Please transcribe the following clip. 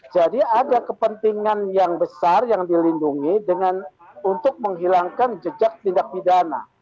jadi ada kepentingan yang besar yang dilindungi untuk menghilangkan jejak tindak pidana